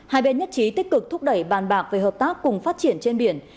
hai bên nhất trí tích cực thúc đẩy bàn bạc về hợp tác cùng phát triển trên biển